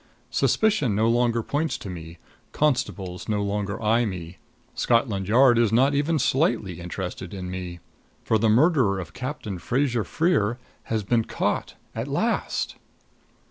Suspicion no longer points to me; constables no longer eye me; Scotland Yard is not even slightly interested in me. For the murderer of Captain Fraser Freer has been caught at last!